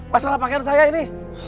masalah pakaian saya ini